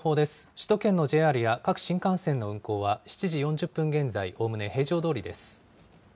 首都圏のＪＲや各新幹線の運行は、７時４０分現在、おおむね平常どおりです。